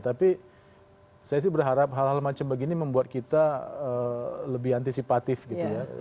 tapi saya sih berharap hal hal macam begini membuat kita lebih antisipatif gitu ya